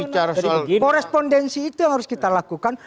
jadi korespondensi itu yang harus kita lakukan